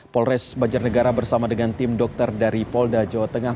polres banjarnegara bersama dengan tim dokter dari polda jawa tengah